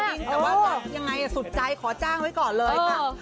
จริงแต่ว่าจะยังไงสุดใจขอจ้างไว้ก่อนเลยค่ะ